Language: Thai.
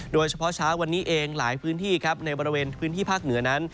โดยเฉพาะเช้าวันนี้เองหลายพื้นที่ครับในบริเวณพื้นที่ภาคเหนือนั้น